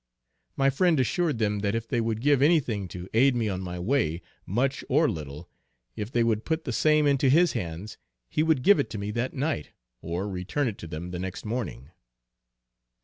My friend assured them that if they would give any thing to aid me on my way, much or little, if they would put the same into his hands, he would give it to me that night, or return it to them the next morning.